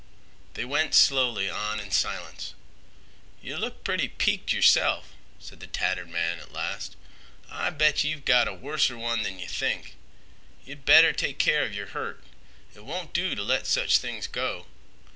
They went slowly on in silence. "Yeh look pretty peek'ed yerself," said the tattered man at last. "I bet yeh've got a worser one than yeh think. Ye'd better take keer of yer hurt. It don't do t' let sech things go.